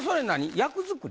役作り？